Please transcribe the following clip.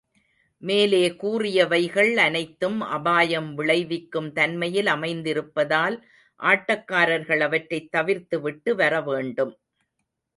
மேலே கூறியவைகள் அனைத்தும் அபாயம் விளைவிக்கும் தன்மையில் அமைந்திருப்பதால், ஆட்டக்காரர்கள் அவற்றைத் தவிர்த்துவிட்டு வர வேண்டும்.